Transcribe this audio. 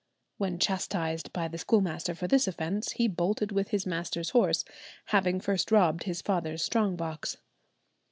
When chastised by the schoolmaster for this offence, he bolted with his master's horse, having first robbed his father's strong box.